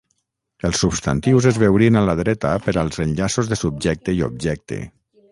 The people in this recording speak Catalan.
Els substantius es veurien a la dreta per als enllaços de subjecte i objecte.